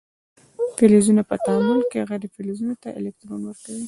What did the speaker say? فلزونه په تعامل کې غیر فلزونو ته الکترون ورکوي.